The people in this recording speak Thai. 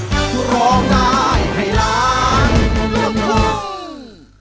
โปรดติดตามตอนต่อไป